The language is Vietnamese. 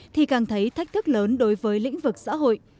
thì càng thấy thách thức lớn đối với lĩnh vực xã hội